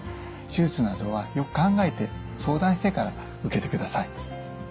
手術などはよく考えて相談してから受けてください。